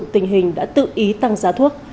tình hình đã tự ý tăng giá thuốc